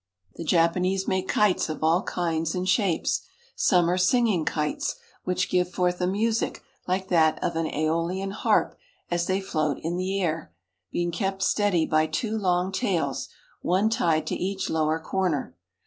The Japanese make kites of all kinds and shapes. Some are singing kites, which give forth a music like that of an iEolian harp as they float in the air, being kept steady by two long tails, one tied to each lower corner.